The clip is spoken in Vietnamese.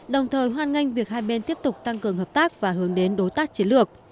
đồng thời hoan nghênh việc hai bên tiếp tục tăng cường hợp tác và hướng đến đối tác chiến lược